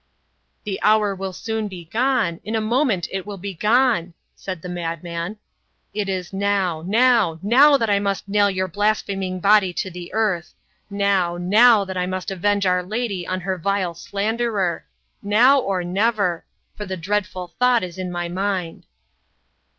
"The hour will soon be gone. In a moment it will be gone," said the madman. "It is now, now, now that I must nail your blaspheming body to the earth now, now that I must avenge Our Lady on her vile slanderer. Now or never. For the dreadful thought is in my mind."